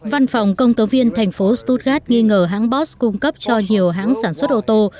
văn phòng công tố viên thành phố stodgart nghi ngờ hãng bos cung cấp cho nhiều hãng sản xuất ô tô